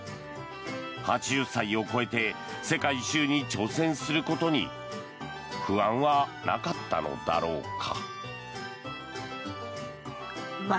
８０歳を超えて世界一周に挑戦することに不安はなかったのだろうか。